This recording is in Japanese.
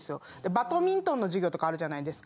バドミントンの授業とかあるじゃないですか。